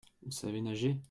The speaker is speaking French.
Vous savez nager ?